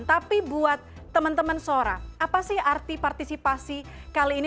tapi buat teman teman sora apa sih arti partisipasi kali ini